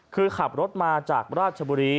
คือขับรถมาจากราชบุรี